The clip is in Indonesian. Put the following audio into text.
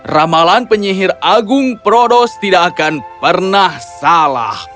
ramalan penyihir agung prodos tidak akan pernah salah